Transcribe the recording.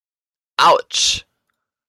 Autsch!